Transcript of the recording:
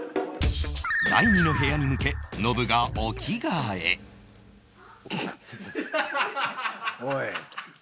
第２の部屋に向けおい。